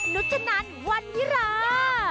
นุชนันวันนี้ลา